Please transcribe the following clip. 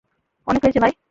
অনেক হয়েছে, ভাই।